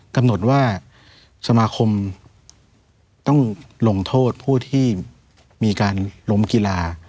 กำหนดว่าสมาคมต้องลงโทษผู้ที่มีการล้มกีฬา